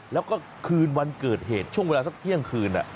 แล้วก็คืนวันเกิดเหตุช่วงเวลาสักเที่ยงคืน